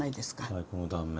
はいこの断面。